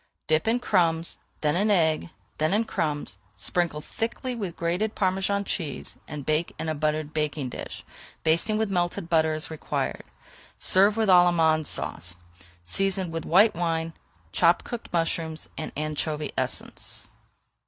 Dip in crumbs, then in egg, then in crumbs, sprinkle thickly with grated Parmesan cheese, and bake in a buttered baking dish, basting with melted butter as required. Serve with Allemande Sauce, seasoned with white wine, chopped cooked mushrooms, and anchovy essence.